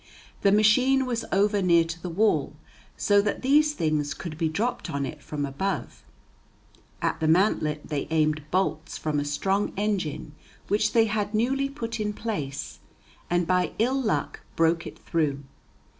] the machine was over near to the wall, so that these things could be dropped on it from above. At the mantlet they aimed bolts from a strong engine which they had newly put in place, and by ill luck broke it through.